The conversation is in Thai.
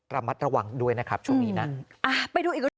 ระมัดระวังด้วยนะครับช่วงนี้นะ